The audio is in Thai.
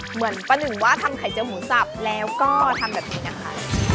เหมือนป้าหนึ่งว่าทำไข่เจียวหมูสับแล้วก็ทำแบบนี้นะคะ